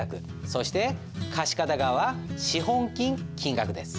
そして貸方側は資本金金額です。